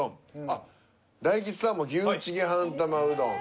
あっ大吉さんも「牛チゲ半玉うどん」。